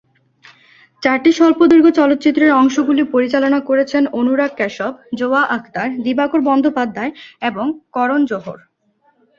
চারটি স্বল্পদৈর্ঘ্য চলচ্চিত্রের অংশগুলি পরিচালনা করেছেন অনুরাগ কাশ্যপ, জোয়া আখতার, দিবাকর বন্দ্যোপাধ্যায় এবং করণ জোহর।